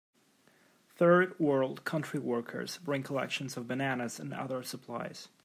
Third world country workers bring collections of bananas and other supplies.